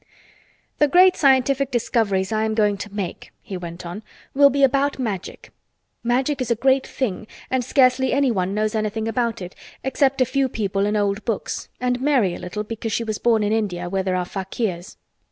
"The great scientific discoveries I am going to make," he went on, "will be about Magic. Magic is a great thing and scarcely anyone knows anything about it except a few people in old books—and Mary a little, because she was born in India where there are fakirs.